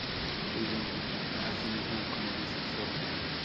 Se identifica a sí misma como bisexual.